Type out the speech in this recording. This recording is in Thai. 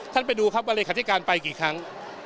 ไปดูครับว่าเลขาธิการไปกี่ครั้ง